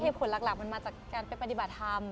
แภพของหลักมาจากการปฏิบัติธรรม